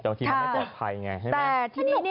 แต่บางทีมันไม่ปลอดภัยไงใช่ไหม